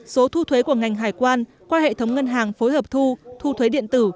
số thu thuế của ngành hải quan qua hệ thống ngân hàng phối hợp thu thu thuế điện tử